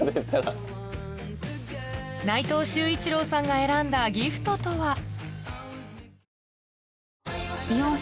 内藤秀一郎さんが選んだギフトとは？